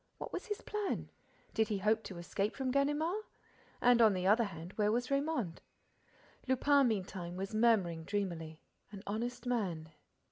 What was his plan? Did he hope to escape from Ganimard? And, on the other hand, where was Raymonde? Lupin, meantime, was murmuring, dreamily: "An honest man.